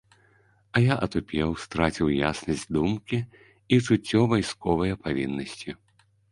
А я атупеў, страціў яснасць думкі і чуццё вайсковае павіннасці.